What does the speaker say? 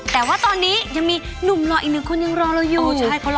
แต่ว่าตอนนี้ยังมีหนุ่มหล่ออีกหนึ่งคนยังรอเราอยู่